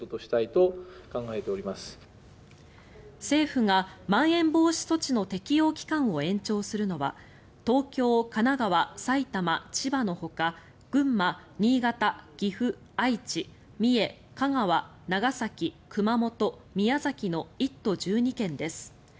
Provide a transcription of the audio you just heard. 政府が、まん延防止措置の適用期間を延長するのは東京、神奈川、埼玉、千葉のほか群馬、新潟、岐阜、愛知三重、香川、長崎、熊本、宮崎の１都１２県です。